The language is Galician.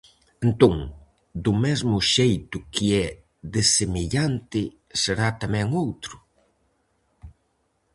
Entón, do mesmo xeito que é desemellante, será tamén outro?